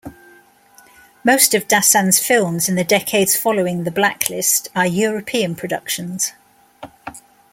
Most of Dassin's films in the decades following the blacklist are European productions.